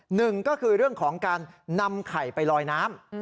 หนึ่งก็คือเรื่องของการนำไข่ไปลอยน้ำ